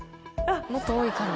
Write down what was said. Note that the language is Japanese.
もっと多いかな？